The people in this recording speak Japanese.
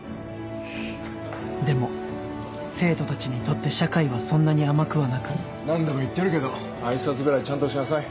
でも生徒たちにとって社会はそんなに甘くはなく何度も言ってるけど挨拶ぐらいちゃんとしなさい。